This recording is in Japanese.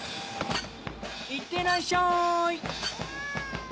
いってらっしゃい。